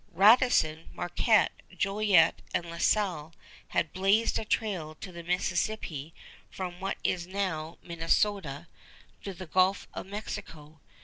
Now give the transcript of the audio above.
Radisson, Marquette, Jolliet, and La Salle had blazed a trail to the Mississippi from what is now Minnesota to the Gulf of Mexico.